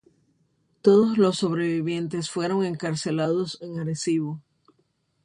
Todos los sobrevivientes fueron encarcelados en Arecibo.